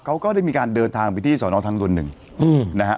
เขาก็ได้มีการเดินทางลงไปที่สนทรรทางลวนนึงนะฮะ